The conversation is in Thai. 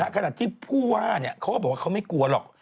ขณะที่ผู้ว่าเขาก็บอกว่าเขาไม่กลัวหรอก